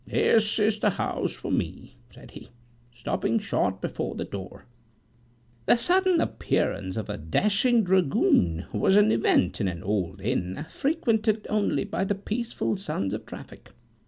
"This is the house for me," said he, stopping short before the door. The sudden appearance of a dashing dragoon was an event in an old inn, frequented only by the peaceful sons of traffic.